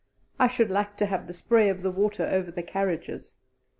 I should like to have the spray of the water over the carriages."